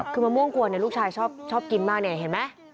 คือมะม่วงกวนลูกชายชอบกินมากเนี่ยเห็นไหม